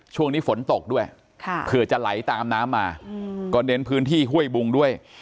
ช่วงนี้ฝนตกด้วยเผื่อจะไหลตามน้ำมาก็เน้นพื้นที่ห้วยบุงด้วย